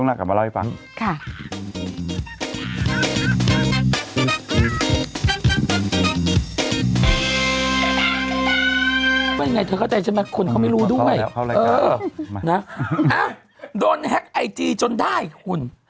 เขาอะไรก็เออมาฮะดูนแฮกไอจีจนได้คุณ